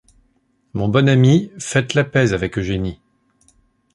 Mon bon ami, faites la paix avec Eugénie.